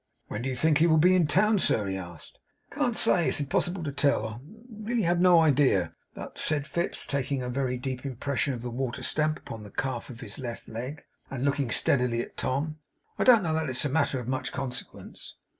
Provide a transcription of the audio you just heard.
'When do you think he will be in town, sir?' he asked. 'I can't say; it's impossible to tell. I really have no idea. But,' said Fips, taking off a very deep impression of the wafer stamp upon the calf of his left leg, and looking steadily at Tom, 'I don't know that it's a matter of much consequence.